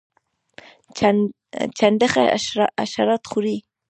چنډخه حشرات خوري